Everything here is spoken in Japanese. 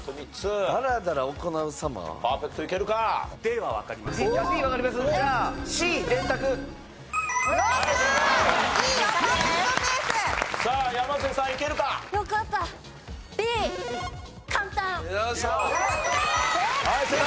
はい正解！